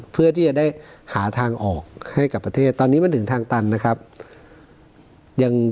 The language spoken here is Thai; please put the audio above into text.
เพื่อที่จะได้หาทางออกให้กับประเทศตอนนี้มันถึงทางตันนะครับยัง